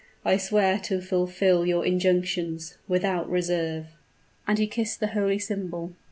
I swear to fulfill your injunctions without reserve." And he kissed the holy symbol.